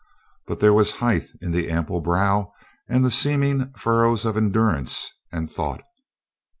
But there was height in the ample brow and the seaming furrows of endurance and thought.